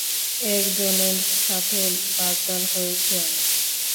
একজনের সাথে বাগদান হয়েছে আমার।